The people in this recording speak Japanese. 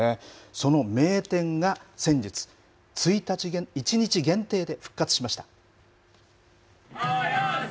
その名店が先日、１日限定で復活しました。